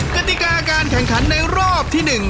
กติกาการแข่งขันในรอบที่๑